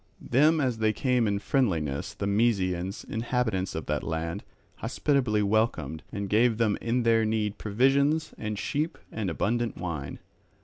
Them as they came in friendliness, the Mysians, inhabitants of that land, hospitably welcomed, and gave them in their need provisions and sheep and abundant wine.